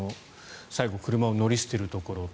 最後、車を乗り捨てるところ。